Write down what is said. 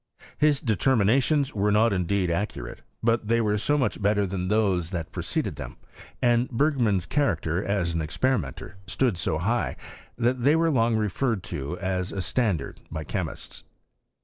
His determinations were not indeed accurate, but they were so much better than those that preceded them, and Bergman's character as an experimenter stood so high, that they were long referred to as a standard by chemists.